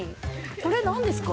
これなんですか。